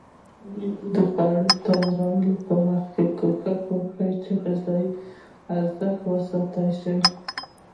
د خوړو د تیارولو په وخت کې کوښښ وکړئ چې غذایي ارزښت وساتل شي.